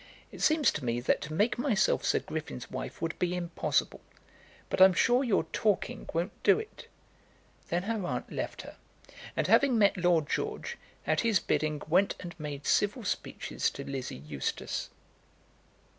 It seems to me that to make myself Sir Griffin's wife would be impossible; but I'm sure your talking won't do it." Then her aunt left her, and, having met Lord George, at his bidding went and made civil speeches to Lizzie Eustace.